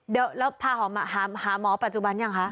เดี๋ยวแล้วพาหอมหาหมอปัจจุบันยังคะ